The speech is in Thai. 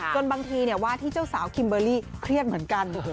บางทีว่าที่เจ้าสาวคิมเบอร์รี่เครียดเหมือนกัน